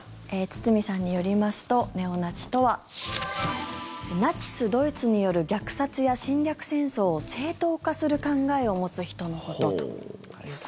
堤さんによりますとネオナチとはナチス・ドイツによる虐殺や侵略戦争を正当化する考えを持つ人のことということです。